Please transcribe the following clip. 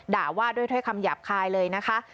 ด่าว่าด้วยถ้อยคำหยาบคายเลยนะคะ